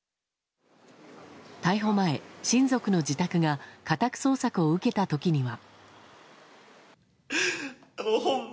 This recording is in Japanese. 逮捕前、親族の自宅が家宅捜索を受けた時には。